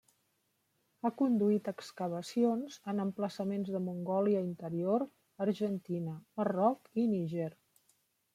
Ha conduït excavacions en emplaçaments de Mongòlia interior, Argentina, Marroc i Níger.